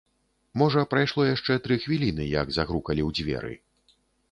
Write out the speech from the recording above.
Можа прайшло яшчэ тры хвіліны, як загрукалі ў дзверы.